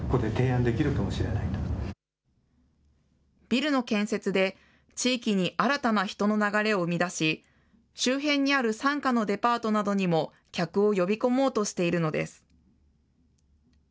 ビルの建設で、地域に新たな人の流れを生み出し、周辺にある傘下のデパートなどにも客を呼び込もうとしているのです。